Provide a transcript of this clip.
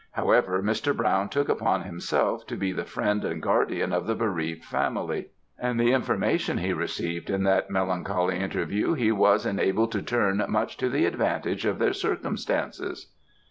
However, Mr. Brown took upon himself to be the friend and guardian of the bereaved family; and the information he received in that melancholy interview he was enabled to turn much to the advantage of their circumstances."